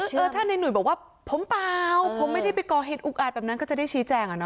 เออถ้าในหนุ่ยบอกว่าผมเปล่าผมไม่ได้ไปก่อเหตุอุกอาจแบบนั้นก็จะได้ชี้แจงอะเนาะ